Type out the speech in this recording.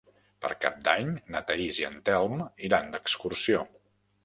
Per Cap d'Any na Thaís i en Telm iran d'excursió.